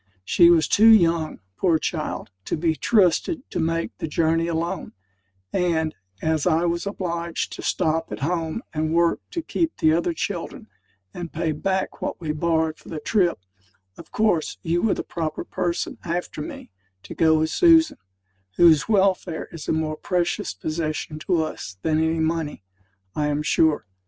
She was too young, poor child, to be trusted to make the journey alone; and, as I was obliged to stop at home and work to keep the other children, and pay back what we borrowed for the trip, of course you were the proper person, after me, to go with Susan whose welfare is a more precious possession to us than any money, I am sure.